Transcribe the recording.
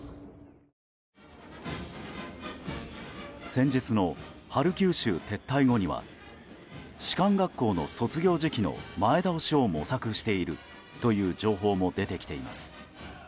先日のハルキウ州撤退後には士官学校の卒業時期の前倒しを模索しているという情報も出てきています。